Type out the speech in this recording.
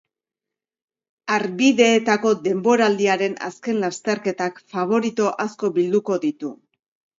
Harbideetako denboraldiaren azken lasterketak faborito asko bilduko ditu.